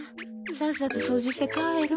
さっさと掃除して帰ろ。